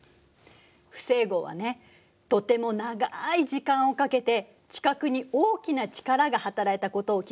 不整合はねとても長い時間をかけて地殻に大きな力がはたらいたことを記録しているのよ。